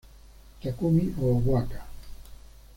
Takumi Ogawa